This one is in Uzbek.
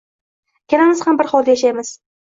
Ikkalamiz ham bir hovlida yashaymiz